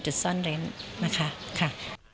จุดซ่อนเร้นนะคะค่ะ